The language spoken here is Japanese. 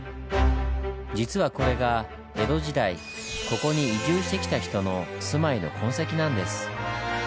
実はこれが江戸時代ここに移住してきた人の住まいの痕跡なんです。